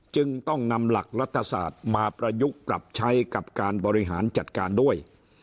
จึงต้องนำหลักรัฐศาสตร์มาประยุกต์ปรับใช้กับการบริหารจัดการด้วย